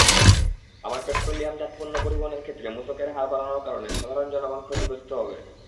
আবার পেট্রোলিয়ামজাত পণ্য পরিবহনের ক্ষেত্রে মূসকের হার বাড়ানোর কারণে সাধারণ জনগণ ক্ষতিগ্রস্ত হবে।